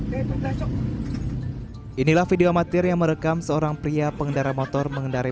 hai selesai contoh inilah video amatir yang merekam seorang pria pengendara motor mengendari